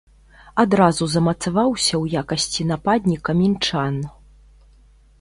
Адразу замацаваўся ў якасці нападніка мінчан.